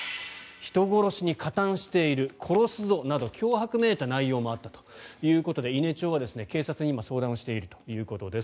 人殺しに加担している殺すぞなど脅迫めいた内容もあったということで伊根町は警察に今相談をしているということです。